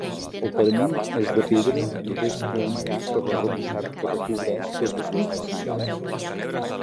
El parament és de pedra i resta amagat per l'arrebossat que recobreix totes les façanes.